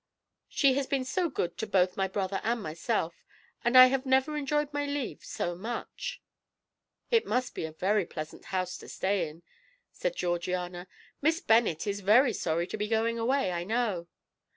She has been so good to both my brother and myself, and I have never enjoyed my leave so much." "It must be a very pleasant house to stay in," said Georgiana. "Miss Bennet is very sorry to be going away, I know."